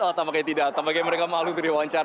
ah tampaknya tidak tampaknya mereka malu diwawancar